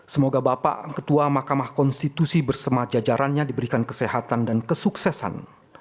semoga bapak ketua mahkamah konstitusi bersama jajarannya diberikan kesehatan dan kesuksesan